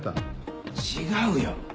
違うよ。